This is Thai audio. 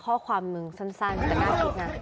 สั้นเป็นหน้าทิศนะ